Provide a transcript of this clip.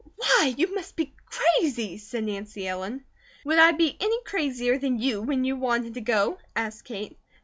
"Why, you must be crazy!" said Nancy Ellen. "Would I be any crazier than you, when you wanted to go?" asked Kate.